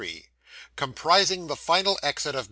COMPRISING THE FINAL EXIT OF MR.